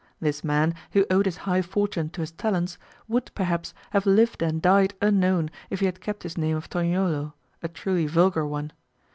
This man, who owed his high fortune to his talents, would, perhaps, have lived and died unknown if he had kept his name of Tognolo, a truly vulgar one.